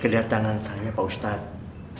kedatangan saya pak ustadz